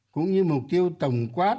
cũng như mục tiêu tổng quát